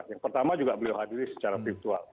yang pertama juga beliau hadiri secara virtual